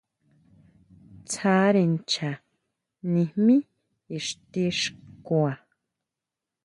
Tsáre ncha nijmí ixti xkua.